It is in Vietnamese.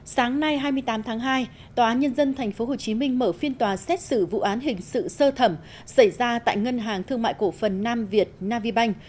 sáng nay hai mươi tám tháng hai tòa án nhân dân tp hcm mở phiên tòa xét xử vụ án hình sự sơ thẩm xảy ra tại ngân hàng thương mại cổ phần nam việt nam vi banh